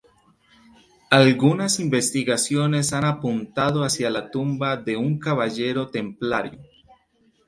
Algunas investigaciones han apuntado hacia la tumba de un caballero templario.